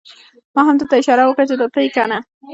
ما همده ته اشاره وکړه چې دا ته یې کنه؟!